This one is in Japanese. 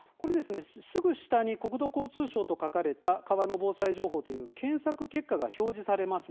すぐ下に国土交通省と書かれた「川の防災情報」の検索結果が表示されます。